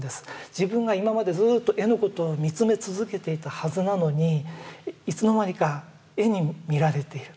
自分が今までずっと絵のことを見つめ続けていたはずなのにいつの間にか絵に見られている。